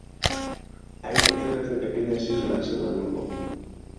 Hay docenas de pequeñas islas en el grupo.